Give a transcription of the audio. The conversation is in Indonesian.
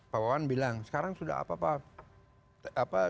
pak bawan bilang sekarang sudah apa pak